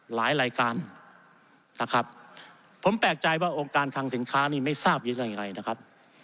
หลายรายการครับครับผมแปลกใจว่าองค์การคางสิงค้านี้ไม่ทราบยึดยังไงนะครับ